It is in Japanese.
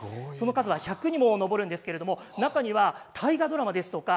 その数は１００にも上るんですけれども中には大河ドラマですとか